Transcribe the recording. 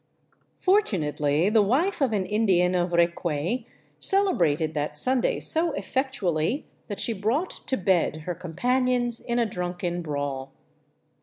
Fortunately the wife of an Indian of Recuay celebrated that Sun '• day so effectually that she brought to bed her companions in a drunken brawl.